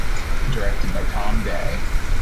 Directed by Tom Dey.